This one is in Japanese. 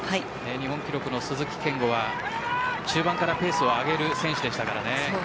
日本記録の鈴木は中盤からペースを上げる選手でした。